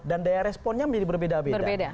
dan daya responnya menjadi berbeda beda